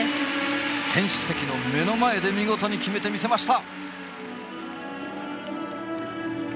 選手席の目の前で見事に決めてみせました！